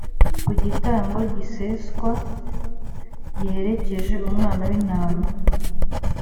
ku gitambo giseswa, giherekeje umwana w’intama.